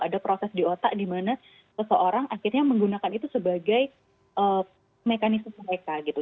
ada proses di otak dimana seseorang akhirnya menggunakan itu sebagai mekanisme mereka gitu